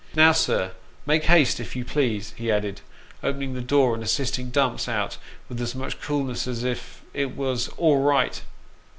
Now, sir, make haste, if you please," he added, opening the door, and assisting Dumps out with as much coolness as if it was " all right."